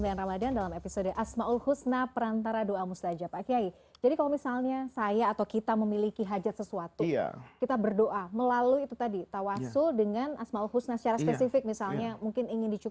mirza jangan kemana mana tidak apa apa kembali kembalikan kembali setelah yang satu ini